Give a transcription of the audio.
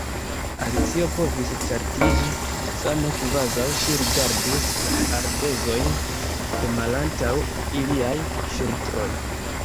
Alicio povis certiĝi, same kvazaŭ ŝi rigardus la ardezojn de malantaŭ iliaj ŝultroj.